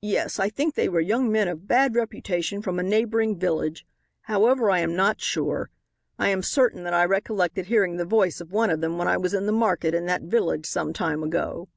"Yes, I think they were young men of bad reputation from a neighboring village; however, I am not sure. I am certain that I recollected hearing the voice of one of them when I was in the market in that village some time ago."